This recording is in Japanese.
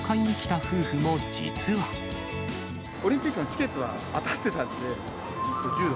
オリンピックのチケットは当たってたんで、柔道。